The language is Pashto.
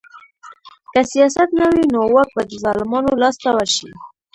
که سیاست نه وي نو واک به د ظالمانو لاس ته ورشي